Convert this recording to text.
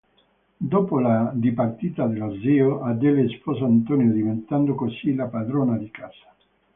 Dopo la dipartita dello zio, Adele sposa Antonio diventando così la padrona di casa.